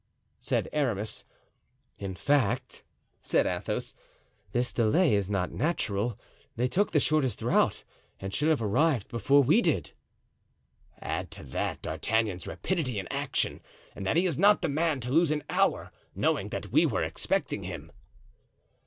said Aramis. "In fact," said Athos, "this delay is not natural; they took the shortest route and should have arrived before we did." "Add to that D'Artagnan's rapidity in action and that he is not the man to lose an hour, knowing that we were expecting him."